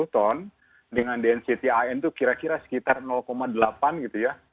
dua ribu tujuh ratus lima puluh ton dengan densitas an itu kira kira sekitar delapan gitu ya